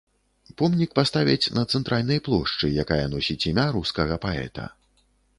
Помнік паставяць на цэнтральнай плошчы, якая носіць імя рускага паэта.